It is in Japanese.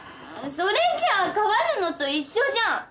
それじゃ変わるのと一緒じゃん！